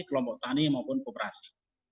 kelompok tani maupun koperasi